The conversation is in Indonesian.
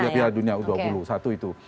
piala dunia u dua puluh satu itu